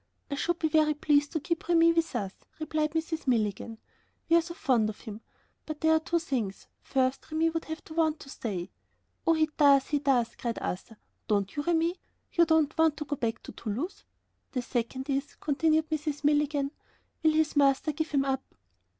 "I should be very pleased to keep Remi with us," replied Mrs. Milligan; "we are so fond of him. But there are two things; first, Remi would have to want to stay...." "Oh, he does! he does!" cried Arthur, "don't you, Remi? You don't want to go back to Toulouse?" "The second is," continued Mrs. Milligan, "will his master give him up?"